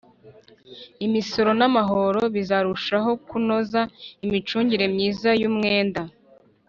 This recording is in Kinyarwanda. imisoro n'amahoro bizarushaho kunoza imicungire myiza y'umwenda.